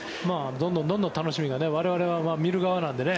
どんどん楽しみが我々は見る側なんでね。